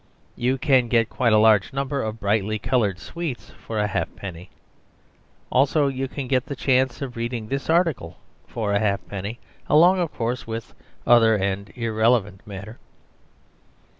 You can get quite a large number of brightly coloured sweets for a halfpenny. Also you can get the chance of reading this article for a halfpenny; along, of course, with other and irrelevant matter.